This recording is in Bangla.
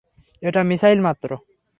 একটা মিসাইল মাত্র!